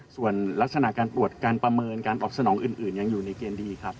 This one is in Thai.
ส่วนลักษณะการตรวจการประเมินการตอบสนองอื่นยังอยู่ในเกณฑ์ดีครับ